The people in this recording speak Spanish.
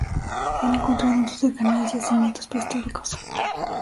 Se han encontrado en sus cercanías yacimientos prehistóricos.